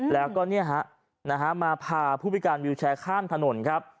แล้วก็มาพาผู้พิการวิวแชร์ข้ามถนนครับ